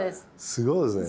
すごいですね。